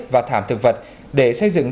và thảm thực vật để xây dựng